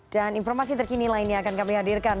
dan informasi terkini lainnya akan kami hadirkan